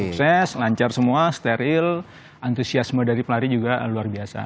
sukses lancar semua steril antusiasme dari pelari juga luar biasa